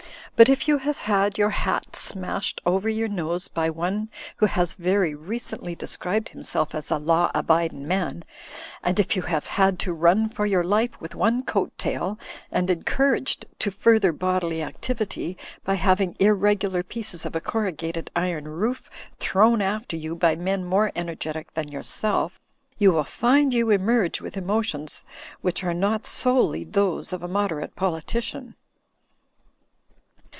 But if you have had your hat smashed over your nose by one who has very recently described himself as a "law abidin' man," and if you have had to run for your life with one coat tail, and encouraged to further bodily activity by having irregular pieces of a corrugated iron roof thrown after you by men more energetic than yourself, you will find you emerge with emotions which are not solely those of a moderate politician.